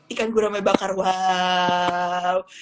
ikan guramai bakar wow